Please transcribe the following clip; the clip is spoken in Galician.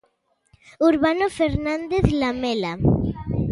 Urbano Fernández Lamela.